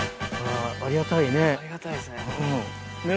ありがたいですね。